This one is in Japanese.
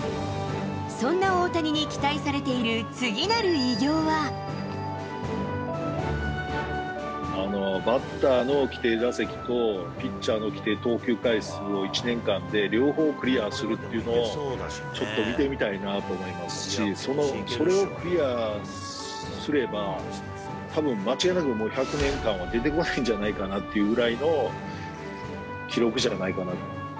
そんな大谷に期待されているバッターの規定打席と、ピッチャーの規定投球回数を１年間で両方クリアするというのを、ちょっと見てみたいなと思いますし、それをクリアすれば、たぶん間違いなくもう１００年間は出てこないんじゃないかっていうぐらいの記録じゃないかな。